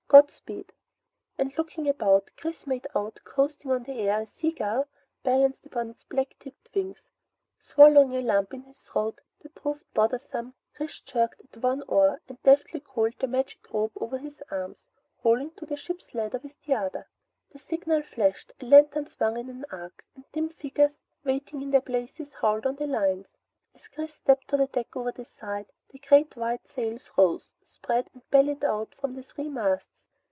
"Godspeed!" And looking about, Chris made out, coasting on the air, a sea gull, balancing upon its black tipped wings. Swallowing a lump in his throat that proved bothersome, Chris jerked at one oar and deftly coiled the magic rope over his arm, holding to the ship's ladder with the other. A signal flashed, a lantern swung in an arc, and dim figures waiting in their places hauled on the lines. As Chris stepped to the deck over the side, the great white sails rose, spread, and bellied out from the three masts.